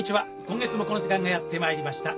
今月もこの時間がやって参りました。